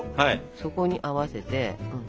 そこに合わせて。